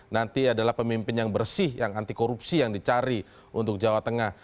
nanti adalah pemimpin yang bersih yang anti korupsi yang dicari untuk jawa tengah